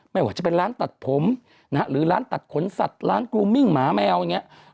ไม่ว่าจะเป็นร้านตัดผมหรือร้านตัดขนสัตว์ร้านกรูมิ่งหมาแมวอย่างนี้